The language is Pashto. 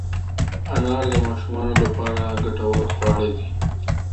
انار د ماشومانو لپاره ګټور خواړه دي.